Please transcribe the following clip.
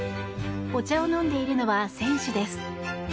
お茶を飲んでいるのは選手です。